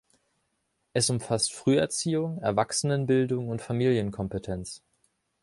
Es umfasst Früherziehung, Erwachsenenbildung und Familienkompetenz.